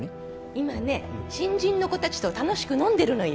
今ね新人の子たちと楽しく飲んでるのよ。